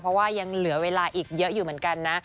เพราะว่ายังเหลือเวลาอีกเยอะอยู่เหมือนกันนะ